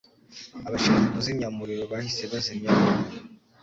Abashinzwe kuzimya umuriro bahise bazimya umuriro.